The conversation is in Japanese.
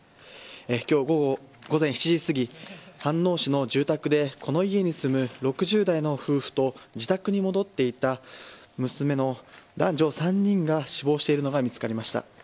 今日午前７時すぎ飯能市の住宅でこの家に住む６０代の夫婦と自宅に戻っていた娘の男女３人が死亡しているのが見つかりました。